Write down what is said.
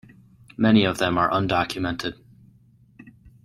Many of them are undocumented.